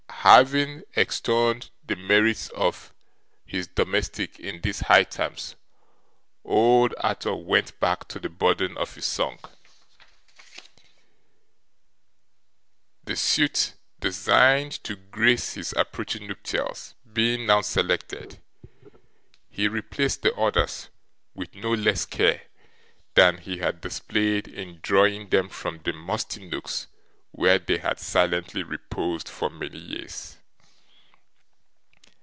Having extolled the merits of his domestic in these high terms, old Arthur went back to the burden of his song. The suit destined to grace his approaching nuptials being now selected, he replaced the others with no less care than he had displayed in drawing them from the musty nooks where they had silently reposed for many years.